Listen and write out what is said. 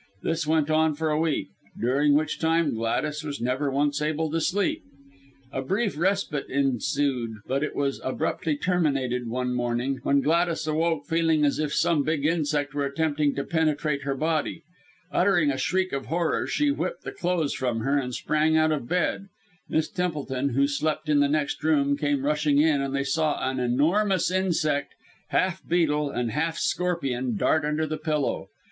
This went on for a week, during which time Gladys was never once able to sleep. A brief respite ensued; but it was abruptly terminated one morning, when Gladys awoke feeling as if some big insect were attempting to penetrate her body. Uttering a shriek of terror, she whipped the clothes from her, and sprang out of bed. Miss Templeton, who slept in the next room, came rushing in, and they both saw an enormous insect, half beetle and half scorpion, dart under the pillow.